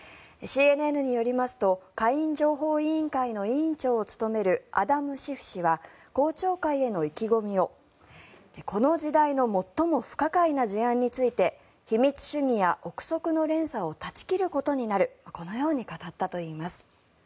ＣＮＮによりますと下院情報委員会の委員長を務めるアダム・シフ氏は公聴会への意気込みをこの時代の最も不可解な事案について秘密主義や臆測の連鎖を断ち切ることになるこのように語ったといいます。